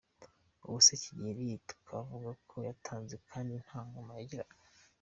Ubuse Kigeli twavuga ko yatanze kandi nta Ngoma yagiraga?